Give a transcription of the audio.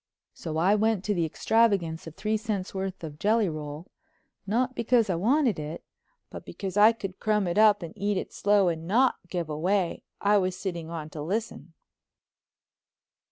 So I went to the extravagance of three cents worth of jelly roll, not because I wanted it, but because I could crumb it up and eat it slow and not give away I was sitting on to listen.